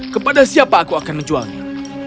kepada siapa aku akan menjualnya